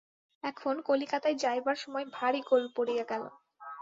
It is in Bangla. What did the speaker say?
এখন, কলিকাতায় যাইবার সময় ভারি গোল পড়িয়া গেল।